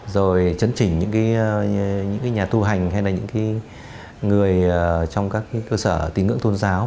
rồi chấn chỉnh những cái nhà thu hành hay là những cái người trong các cái cơ sở tín ngưỡng tôn giáo